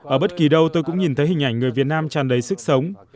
ở bất kỳ đâu tôi cũng nhìn thấy hình ảnh người việt nam tràn đầy sức sống